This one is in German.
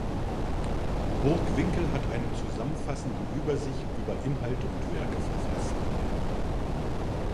Burgwinkel hat eine zusammenfassende Übersicht über Inhalte und Werke verfasst.